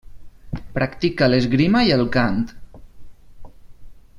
Practica l'esgrima i el cant.